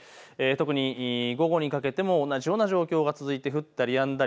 特に午後にかけても同じような状況が続いて降ったりやんだり。